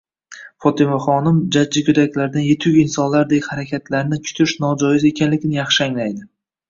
Fotimaxonim jajji go'daklardan yetuk nnsonlardek harakatlarni kutish nojoiz ekanligini yaxshi anglaydi.